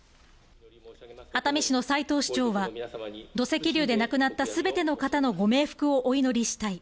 熱海市の斉藤市長は土石流で亡くなったすべての方のご冥福をお祈りしたい。